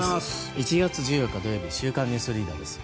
１月１４日、土曜日「週刊ニュースリーダー」です。